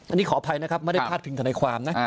อันนี้ขออภัยนะครับไม่ได้พาดพิงธนายความนะ